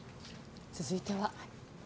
続いては。